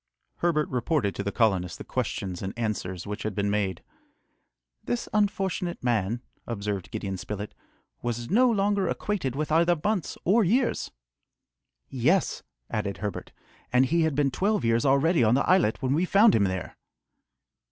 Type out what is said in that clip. Herbert reported to the colonists the questions and answers which had been made. "This unfortunate man," observed Gideon Spilett, "was no longer acquainted with either months or years!" "Yes!" added Herbert, "and he had been twelve years already on the islet when we found him there!"